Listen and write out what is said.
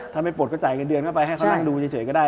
ถ้าไม่ปลดก็จ่ายเงินเดือนเข้าไปให้เขานั่งดูเฉยก็ได้